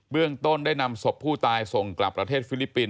เรื่องต้นได้นำศพผู้ตายส่งกลับประเทศฟิลิปปินส